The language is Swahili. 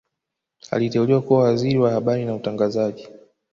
Aliteuliwa kuwa Waziri wa Habari na Utangazaji